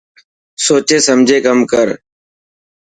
سوچي سمجهي ڪم ڪر.